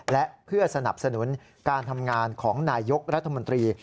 และเพื่อสนับสนุนการทำงานของนายยกรัฐมนตรี